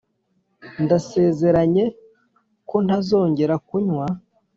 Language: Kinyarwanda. ndasezeranye ko ntazongera kunywa.